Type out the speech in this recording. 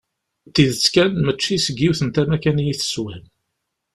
Tidet kan, mačči seg yiwet n tama kan i yi-tessewhem.